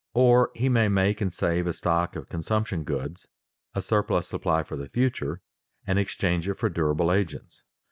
Or he may make and save a stock of consumption goods, a surplus supply for the future, and exchange it for durable agents.